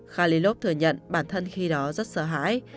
khalilov thừa nhận bản thân khi đó rất sợ hãi